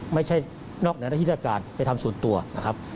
ไม่ใช่นอกแนวนาธิศการไปทำส่วนตัวนะครับ